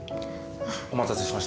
お待たせしました。